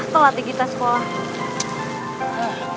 telat di kita sekolah